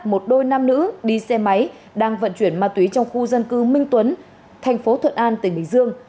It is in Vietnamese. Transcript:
một đôi nam nữ đi xe máy đang vận chuyển ma túy trong khu dân cư minh tuấn thành phố thuận an tỉnh bình dương